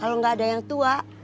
kalo gak ada yang tua